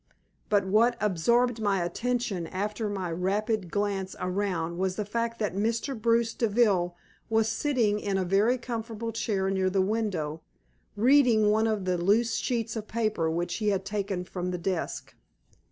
But what absorbed my attention after my rapid glance around was the fact that Mr. Bruce Deville was sitting in a very comfortable chair near the window, reading one of the loose sheets of paper which he had taken from the desk.